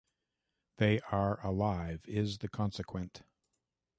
"They are alive" is the consequent.